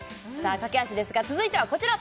駆け足ですが続いてはこちら！